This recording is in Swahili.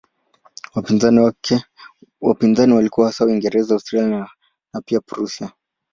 Wapinzani walikuwa hasa Uingereza, Austria na pia Prussia.